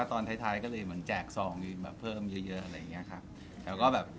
ตอนท้ายเจกซองเพิ่มเยอะแบบนี้